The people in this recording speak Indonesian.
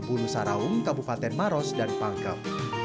bunuh saraung kabupaten maros dan pangkep